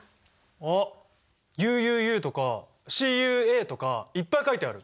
あっＵＵＵとかＣＵＡとかいっぱい書いてある！